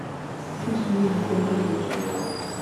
D tismin kan ay usment.